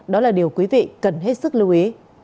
đó là điều quý vị cần hết sức lưu ý